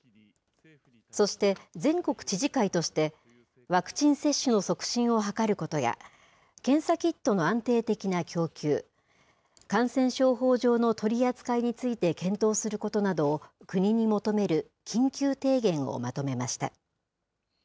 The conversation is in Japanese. そして、全国知事会として、ワクチン接種の促進を図ることや、検査キットの安定的な供給、感染症法上の取り扱いについて検討することなどを、国に求める緊急提言をまとめました。